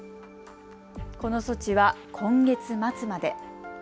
この措置は今月末まで。